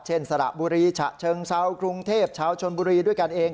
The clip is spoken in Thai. สระบุรีฉะเชิงเซากรุงเทพชาวชนบุรีด้วยกันเอง